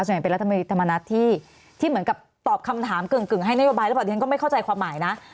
ส่วนใหญ่เป็นรัฐมนัฐที่เหมือนกับตอบคำถามเกิ่งให้นโยบายแล้วบริเวณก็ไม่เข้าใจความหมายนะ